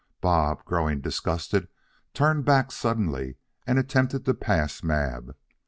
Bob, growing disgusted, turned back suddenly and attempted to pass Mab.